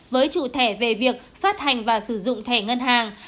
với chủ thẻ về việc phát hành và sử dụng thẻ ngân hàng